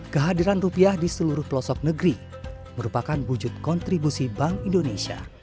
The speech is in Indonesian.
kehadiran rupiah di seluruh pelosok negeri merupakan wujud kontribusi bank indonesia